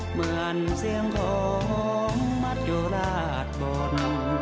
เหมือนเสียงโธงมัดอยู่ราดบน